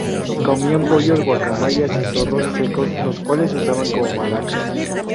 Comían pollos, guacamayas, y zorros secos, los cuales usaban como maracas.